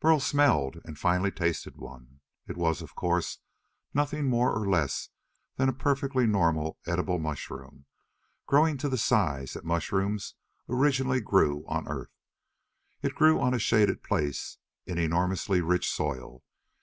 Burl smelled and finally tasted one. It was, of course, nothing more or less than a perfectly normal edible mushroom, growing to the size that mushrooms originally grew on Earth. It grew on a shaded place in enormously rich soil.